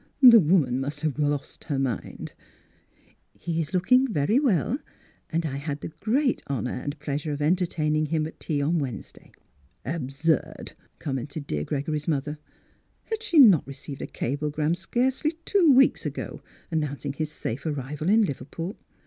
" The woman must have lost her mind !"" He is looking very well, and I had the great honour and pleasure of entertaining him at tea on Wednesday." " Absurd !" commented dear Gregory's mother. Had she not received a cable gram scarcely two weeks ago announcing his safe arrival in Liverpool?